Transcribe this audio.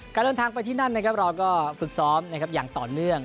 เดินทางไปที่นั่นนะครับเราก็ฝึกซ้อมนะครับอย่างต่อเนื่อง